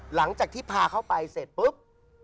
หลังจากที่พาเขาไปเสร็จปุ๊บ